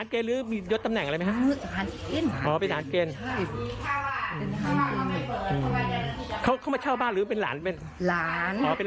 เขามาเช่าบ้านหรือเป็นหลานเป็นหลาน